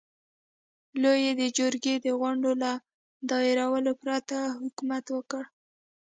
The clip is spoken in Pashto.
لويي د جرګې د غونډو له دایرولو پرته حکومت وکړ.